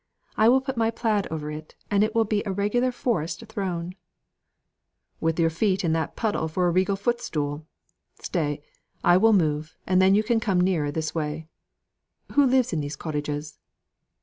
I will put my plaid over it, and it will be a regular forest throne." "With your feet in that puddle for a regal footstool! Stay, I will move, and then you can come nearer this way. Who lives in these cottages?"